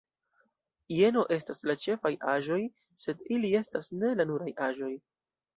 Jeno estas la ĉefaj aĵoj, sed ili estas ne la nuraj aĵoj.